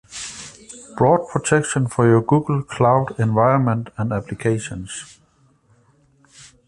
Broad Protection for Your Google Cloud Environment and Applications